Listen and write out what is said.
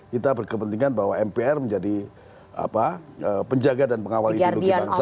kita berkepentingan bahwa mpr menjadi penjaga dan pengawal ideologi bangsa